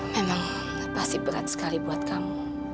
memang pasti berat sekali buat kamu